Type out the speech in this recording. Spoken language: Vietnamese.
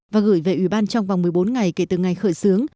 và gửi về ủy ban trong vòng một mươi bốn ngày kể từ ngày khởi xướng